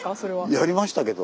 やりましたけど。